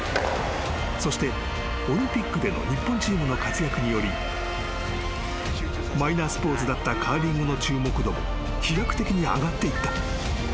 ［そしてオリンピックでの日本チームの活躍によりマイナースポーツだったカーリングの注目度も飛躍的に上がっていった］